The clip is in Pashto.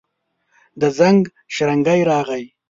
د زنګ شرنګی راغلي